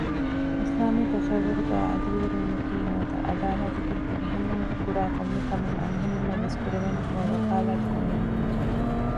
އިސްލާމީ ތަޞައްވުރުގައި ޢަދުލުވެރިވުމަކީ ނުވަތަ ޢަދާލަތަކީ ފިރިހެނުންކުރާކޮންމެ ކަމެއް އަންހެނުންނަށްވެސް ކުރެވޭނެ ކަމަށް ވަކާލާތު ކުރުމެއްނޫން